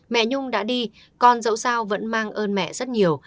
mẹ nhung đã đi con dẫu sao vẫn mang ơn mẹ rất nhiều